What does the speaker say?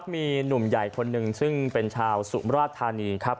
มีหนุ่มใหญ่คนหนึ่งซึ่งเป็นชาวสุมราชธานีครับ